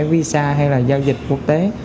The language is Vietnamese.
visa hay là giao dịch quốc tế